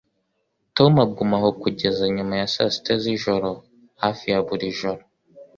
Tom agumaho kugeza nyuma ya saa sita z'ijoro hafi ya buri joro.